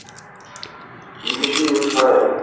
Menga shuning o‘zi kifoya.